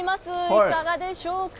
いかがでしょうか。